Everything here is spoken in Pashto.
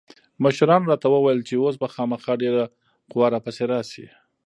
مشرانو راته وويل چې اوس به خامخا ډېره قوا را پسې راسي.